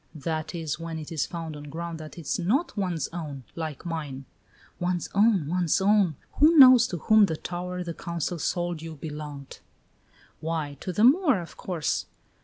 "That is when it is found on ground that is not one's own, like mine!" "One's own! One's own! Who knows to whom that tower the Council sold you belonged!" "Why, to the Moor, of course!"